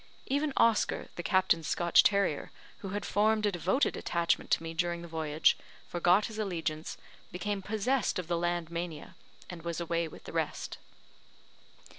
Even Oscar, the Captain's Scotch terrier, who had formed a devoted attachment to me during the voyage, forgot his allegiance, became possessed of the land mania, and was away with the rest.